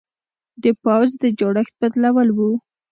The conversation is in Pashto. د پوځ د جوړښت بدلول و.